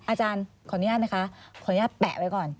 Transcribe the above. อาจารย์ขออนุญาตนะคะขออนุญาตแปะไว้ก่อน